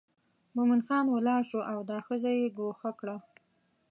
مومن خان ولاړ شو او دا ښځه یې ګوښه کړه.